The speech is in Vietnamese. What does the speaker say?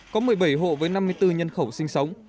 có một mươi bảy hộ với năm mươi bốn nhân khẩu sinh sống